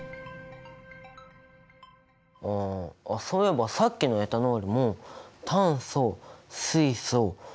ああっそういえばさっきのエタノールも炭素水素酸素という